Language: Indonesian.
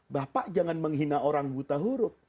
bapak jangan menghina orang buta huruf